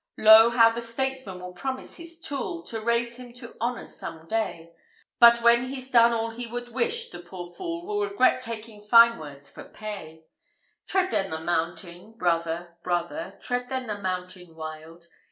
III. Lo! how the statesman will promise his tool, To raise him to honours some day: But when he's done all he would wish, the poor fool Will regret taking fine words for pay. Tread then the mountain, brother, brother! Tread then the mountain wild!